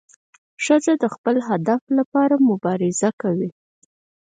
ښځه د خپل هدف لپاره مبارزه کوي.